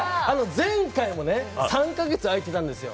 前回も３か月あいてたんですよ。